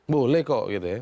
boleh kok gitu ya